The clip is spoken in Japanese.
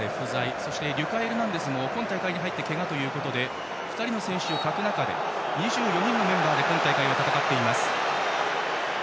そしてリュカ・エルナンデスも今大会に入って、けがをして２人の選手を欠く中で２４人のメンバーで今大会は戦っています。